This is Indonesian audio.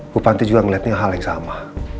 bu panti juga ngeliatnya hal yang sama